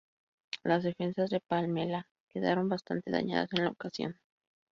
Las defensas de Palmela quedaron bastante dañadas en la ocasión.